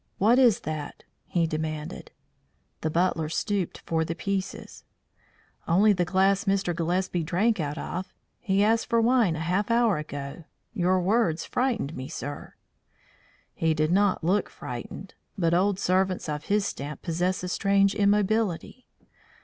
"What is that?" he demanded. The butler stooped for the pieces. "Only the glass Mr. Gillespie drank out of. He asked for wine a half hour ago. Your words frightened me, sir." He did not look frightened; but old servants of his stamp possess a strange immobility.